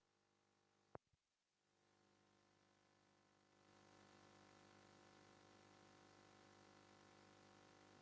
apa yang sudah kami lakukan